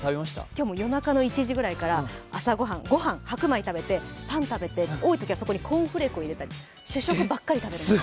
今日も夜中の１時ぐらいから朝ご飯、白米食べてパン食べて、多いときは、そこにコーンフレークを入れたり、主食ばっかり食べてます。